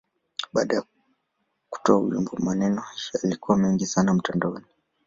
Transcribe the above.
Baada ya kutoa wimbo, maneno yalikuwa mengi sana mtandaoni.